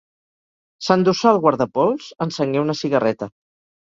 S'endossà el guardapols, encengué una cigarreta.